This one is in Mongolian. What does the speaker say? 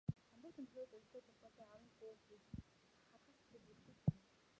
Самбуу ч үнэхээр зоригтой, золбоотой аавын хүү юм гэж бахархах сэтгэл эрхгүй төрнө.